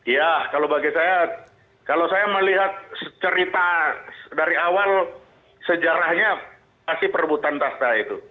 ya kalau bagi saya kalau saya melihat cerita dari awal sejarahnya pasti perebutan tasta itu